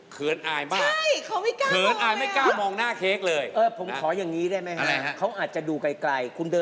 เขินอายมากเขินอายไม่กล้ามองหน้าเค้กเลยพออย่างนี้ได้ไหมฮะ